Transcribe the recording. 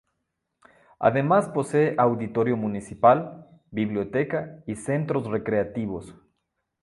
Además posee auditorio municipal, biblioteca y centros recreativos.